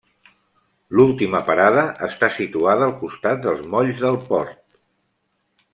L'última parada està situada al costat dels molls del port.